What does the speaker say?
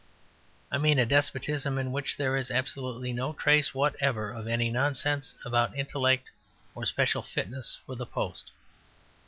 I mean a despotism in which there is absolutely no trace whatever of any nonsense about intellect or special fitness for the post.